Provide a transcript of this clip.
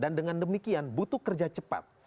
dan dengan demikian butuh kerja cepat